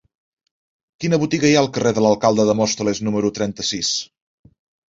Quina botiga hi ha al carrer de l'Alcalde de Móstoles número trenta-sis?